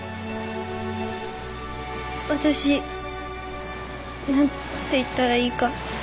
私何て言ったらいいか。